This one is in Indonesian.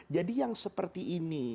jadi yang seperti ini